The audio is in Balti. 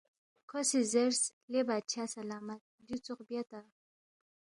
کھو سی زیرس، لے بادشاہ سلامت دیُو ژوخ بیاتا